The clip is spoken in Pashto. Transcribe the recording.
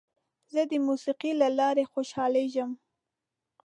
زه د موسیقۍ له لارې خوشحالېږم.